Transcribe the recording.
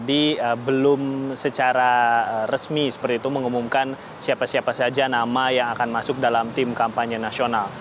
tadi belum secara resmi seperti itu mengumumkan siapa siapa saja nama yang akan masuk dalam tim kampanye nasional